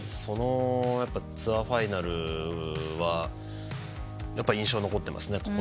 そのツアーファイナルは印象に残ってますね。